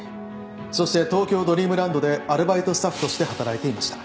そして東京ドリームランドでアルバイトスタッフとして働いていました。